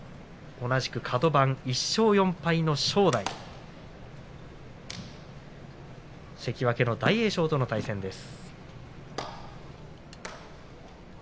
同じくカド番１勝４敗の正代関脇の大栄翔との対戦です。